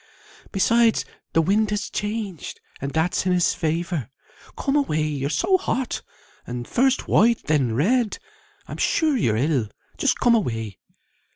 Besides the wind has changed, and that's in his favour. Come away. You're so hot, and first white and then red; I'm sure you're ill. Just come away."